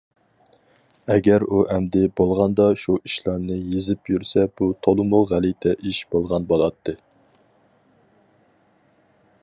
ئەگەر ئۇ ئەمدى بولغاندا شۇ ئىشلارنى يېزىپ يۈرسە بۇ تولىمۇ غەلىتە ئىش بولغان بولاتتى.